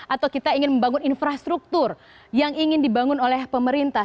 atau kita ingin membangun infrastruktur yang ingin dibangun oleh pemerintah